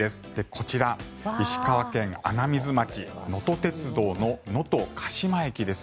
こちら、石川県穴水町のと鉄道の能登鹿島駅です。